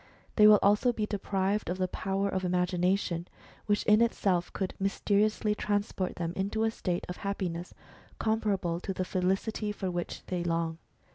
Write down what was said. They will also be deprived of the power of imagination, which in itself could mysteriously transport them into a state of happiness comparable to the felicity for which they long.